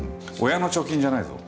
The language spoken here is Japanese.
親の貯金じゃないぞ。